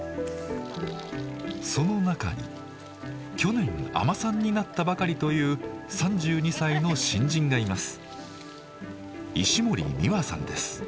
その中に去年海女さんになったばかりという３２歳の新人がいます。